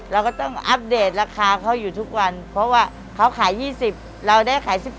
เราก็ต้องอัปเดตราคาเขาอยู่ทุกวันเพราะว่าเขาขาย๒๐เราได้ขาย๑๗